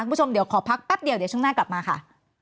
คุณผู้ชมเดี๋ยวขอพักแป๊บเดียวเดี๋ยวช่วงหน้ากลับมาค่ะ